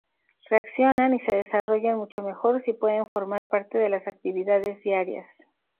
Reaccionan y se desarrollan mucho mejor si pueden formar parte de las actividades diarias.